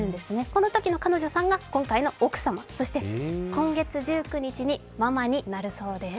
このときの彼女さんが、今回の奥様そして今月１９日にママになるそうです。